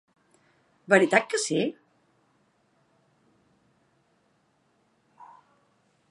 -Veritat que sí?